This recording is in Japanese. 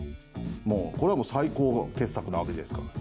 もうこれは最高傑作なわけですから。